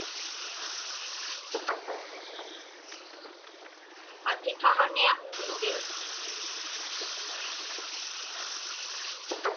Atiqaġniaqtusi.